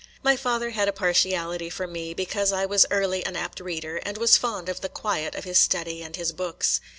My father had a partiality for me, because I was early an apt reader, and was fond of the quiet of his study and his books.